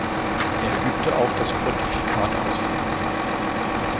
Er übte auch das Pontifikat aus.